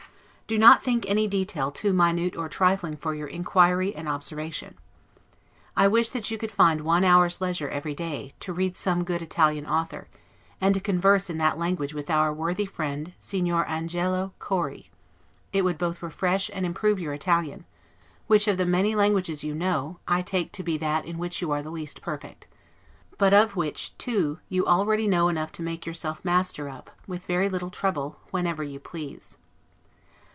Do not think any detail too minute or trifling for your inquiry and observation. I wish that you could find one hour's leisure every day, to read some good Italian author, and to converse in that language with our worthy friend Signor Angelo Cori; it would both refresh and improve your Italian, which, of the many languages you know, I take to be that in which you are the least perfect; but of which, too, you already know enough to make yourself master of, with very little trouble, whenever you please.